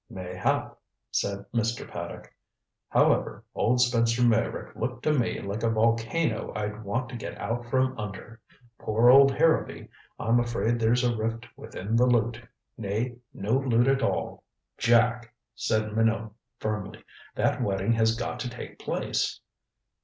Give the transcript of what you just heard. "Mayhap," said Mr. Paddock. "However, old Spencer Meyrick looked to me like a volcano I'd want to get out from under. Poor old Harrowby! I'm afraid there's a rift within the loot nay, no loot at all." "Jack," said Minot firmly, "that wedding has got to take place."